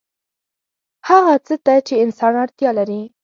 هغه څه ته چې انسان اړتیا لري